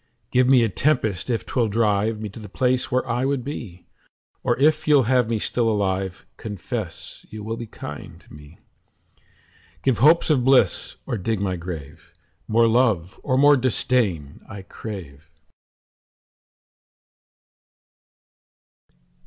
Give me a tempest if 'twill drive Me to the place where I would be; Or if you'll have me still alive, Confess you will be kind to me. 10 Give hopes of bliss or dig my grave: More love or more disdain I crave.